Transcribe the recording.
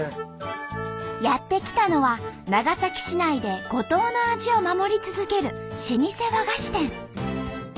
やって来たのは長崎市内で五島の味を守り続ける老舗和菓子店。